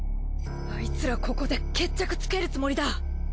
アイツらここで決着つけるつもりだ！